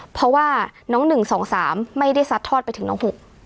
เพราะว่าน้อง๑๒๓ไม่ได้ซัดทอดไปถึงน้องหุ